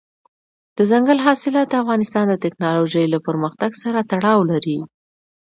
دځنګل حاصلات د افغانستان د تکنالوژۍ له پرمختګ سره تړاو لري.